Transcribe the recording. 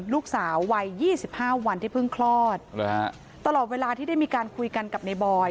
ลูกสาววัย๒๕วันที่เพิ่งคลอดตลอดเวลาที่ได้มีการคุยกันกับในบอย